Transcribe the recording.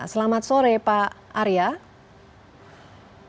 selamat sore pak arya